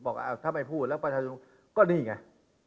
บอกอ่าทำไมพูดแล้วปัชฌนุนก็นี่ไง